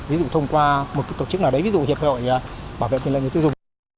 ví dụ thông qua một tổ chức nào đấy ví dụ hiệp hội bảo vệ quyền lợi người tiêu dùng